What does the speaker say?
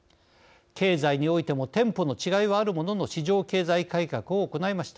経済においてもテンポの違いはあるものの市場経済改革を行いました。